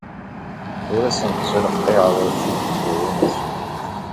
Ur asen-ttreqqiɛeɣ tikebbuḍin-nsen.